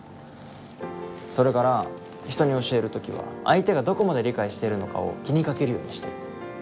それから人に教える時は相手がどこまで理解しているのかを気にかけるようにしてる。